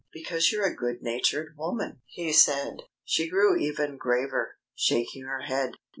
"Because you're a good natured woman," he said. She grew even graver, shaking her head.